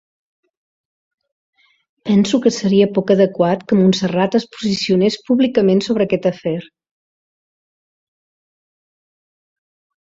Penso que seria poc adequat que Montserrat es posicionés públicament sobre aquest afer.